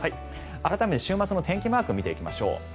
改めて週末の天気マークを見ていきましょう。